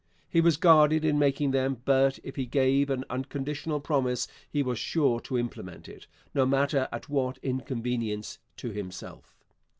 He was guarded in making them, but if he gave an unconditional promise he was sure to implement it, no matter at what inconvenience to himself.